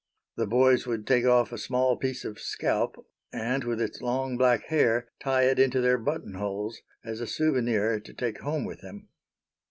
The boys would take off a small piece of scalp, and with its long black hair, tie it into their button holes, as a souvenir to take home with them.